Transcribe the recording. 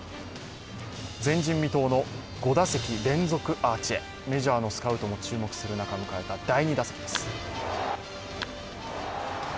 前人未到の５打席連続アーチへメジャーのスカウトも注目する中迎えた第２打席です。